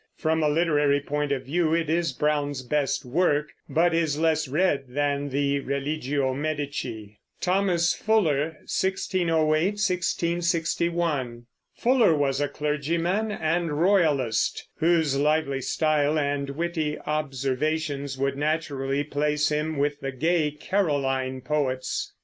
From a literary point of view it is Browne's best work, but is less read than the Religio Medici. THOMAS FULLER (1608 1661). Fuller was a clergyman and royalist whose lively style and witty observations would naturally place him with the gay Caroline poets.